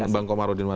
bang komarudin wadubun